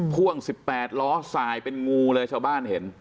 พ่วง๑๘ล้อสายเป็นงูเลยชาวบ้านเห็น